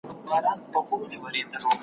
نن مي په فېسبوک کي د یوه ګوربت ننداره وکړه